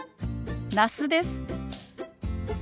那須です。